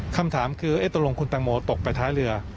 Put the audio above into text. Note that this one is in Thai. คำถามคือตกลงคุณตังโมตกไปท้ายเรือ